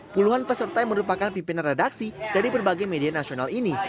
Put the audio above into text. puluhan peserta yang merupakan pimpinan redaksi dari berbagai media nasional ini